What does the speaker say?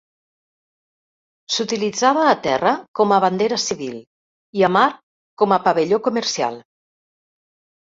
S'utilitzava a terra com a bandera civil i a mar com a pavelló comercial.